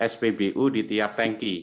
sbbu di tiap tanki